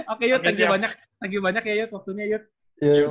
oke yud thank you banyak ya yud